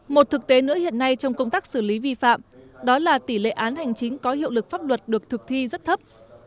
một thực tế nữa hiện nay trong công tác xử lý vi phạm đó là tỷ lệ án hành chính có hiệu lực pháp luật được thực thi rất thấp